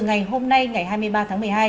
ngày hôm nay ngày hai mươi ba tháng một mươi hai